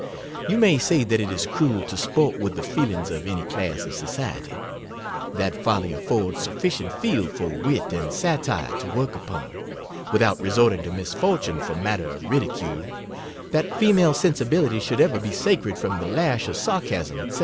You may say that it is cruel to sport with the feelings of any class of society; that folly affords sufficient field for wit and satire to work upon, without resorting to misfortune for matter of ridicule; that female sensibility should ever be sacred from the lash of sar casm, &c.